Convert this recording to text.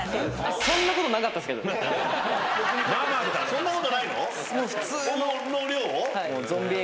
そんなことないの？